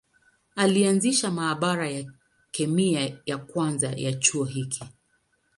Alianzisha maabara ya kemia ya kwanza ya chuo hiki.